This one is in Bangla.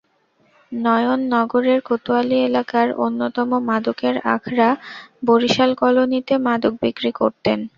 নয়ন নগরের কোতোয়ালি এলাকার অন্যতম মাদকের আখড়া বরিশাল কলোনিতে মাদক বিক্রি করতেন।